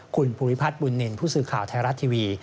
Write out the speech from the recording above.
คุณภูริพัฒน์บุญนินทร์ผู้สื่อข่าวไทยรัฐทีวี